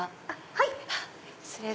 はい。